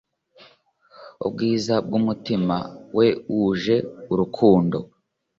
ubwiza bwumutima we wuje urukundo